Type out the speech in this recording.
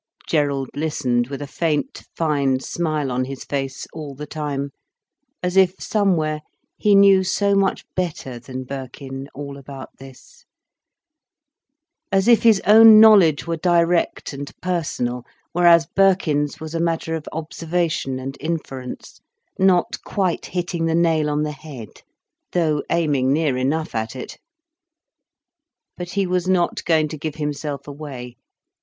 Gerald listened with a faint, fine smile on his face, all the time, as if, somewhere, he knew so much better than Birkin, all about this: as if his own knowledge were direct and personal, whereas Birkin's was a matter of observation and inference, not quite hitting the nail on the head:—though aiming near enough at it. But he was not going to give himself away.